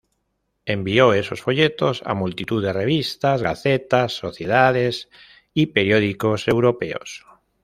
Envió esos folletos a multitud de revistas, gacetas, sociedades y periódicos europeos.